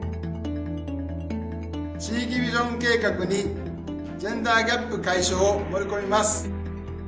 地域ビジョン計画にジェンダーギャップ解消を盛り込みます。